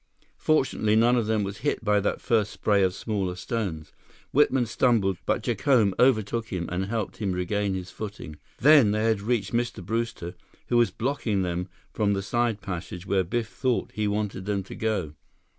Fortunately, none of them was hit by that first spray of smaller stones. Whitman stumbled, but Jacome overtook him and helped him regain his footing. Then they had reached Mr. Brewster, who was blocking them from the side passage where Biff thought he wanted them to go.